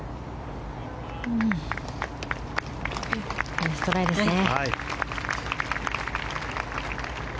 ナイストライですね。